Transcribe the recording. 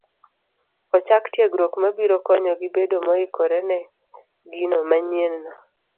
ochak tiegruok mabiro konyogi bedo moikore ne gino manyienno.